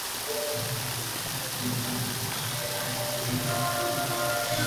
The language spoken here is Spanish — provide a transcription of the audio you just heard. En su gestión casi se completó la edificación de la Catedral.